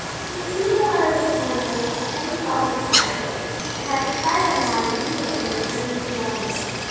He received a letter this morning which has changed all his plans, and has decided him on immediately returning to London.